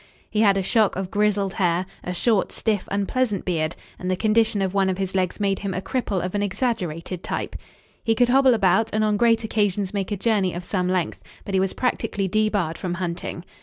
He had a shock of grizzled hair, a short, stiff, unpleasant beard, and the condition of one of his legs made him a cripple of an exaggerated type. He could hobble about and on great occasions make a journey of some length, but he was practically debarred from hunting.